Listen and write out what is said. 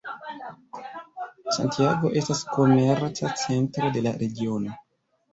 Santiago estas komerca centro de la regiono.